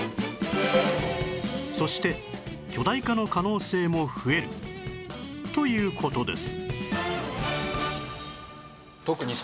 そして巨大化の可能性も増えるという事です